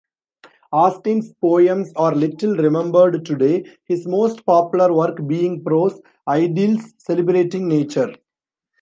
Austin's poems are little-remembered today, his most popular work being prose idylls celebrating nature.